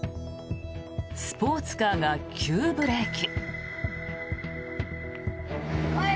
スポーツカーが急ブレーキ。